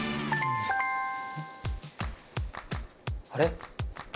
あれ？